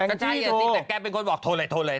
ก็ใช่แต่แกเป็นคนบอกโทรเลย